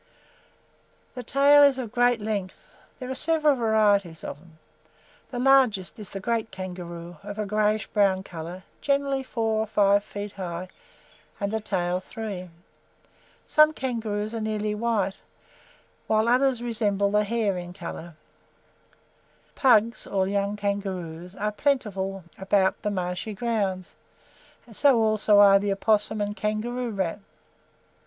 The tail is of great strength. There are several varieties of them. The largest is the Great Kangaroo, of a greyish brown colour, generally four or five feet high and the tail three. Some kangaroos are nearly white, others resemble the hare in colour. Pugs, or young kangaroos, are plentiful about the marshy grounds; so are also the opossum and kangaroo rat.